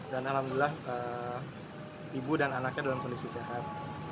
dan alhamdulillah ibu dan anaknya dalam kondisi sehat